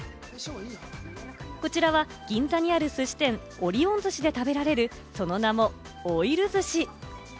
こちらは銀座にあるすし店・織音寿しで食べられる、その名もオイル寿司。